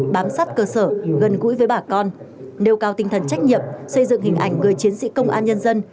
bám sát cơ sở gần gũi với bà con nêu cao tinh thần trách nhiệm xây dựng hình ảnh người chiến sĩ công an nhân dân